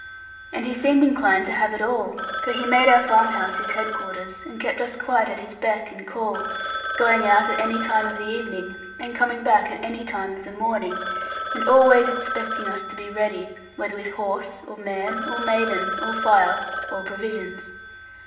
And he seemed inclined to have it all; for he made our farm house his headquarters, and kept us quite at his beck and call, going out at any time of the evening, and coming back at any time of the morning, and always expecting us to be ready, whether with horse, or man, or maiden, or fire, or provisions.